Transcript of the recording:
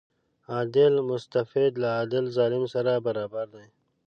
عادل مستبد له عادل ظالم سره برابر دی.